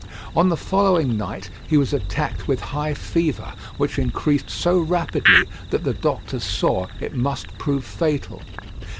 On the following night he was attacked with high fever, which increased so rapidly that the doctors saw it must prove fatal.